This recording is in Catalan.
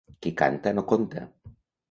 Qui canta, no conta.